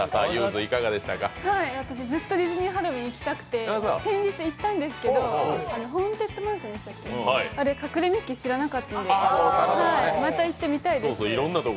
ずっとディズニー・ハロウィーン行きたくて、先日行ったんですけどホーンテッドマンションの隠れミッキー知らなかったので、また行ってみたいです。